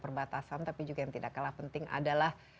perbatasan tapi juga yang tidak kalah penting adalah